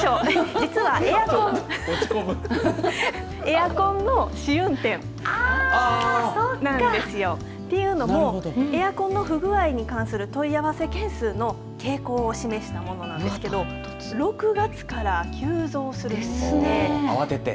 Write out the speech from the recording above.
実はエアコンの試運転なんですよ。というのもエアコンの不具合に関する問い合わせ件数の傾向を示したものなんですけど慌てて。